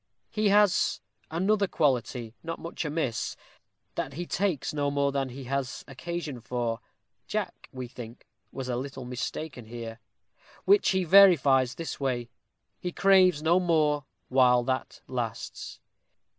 He has another quality, not much amiss, that he takes no more than he has occasion for" Jack, we think, was a little mistaken here ; "which he verifies this way: he craves no more while that lasts.